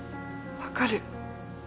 分かる。